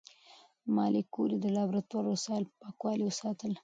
ماري کوري د لابراتوار وسایل په پاکوالي وساتل.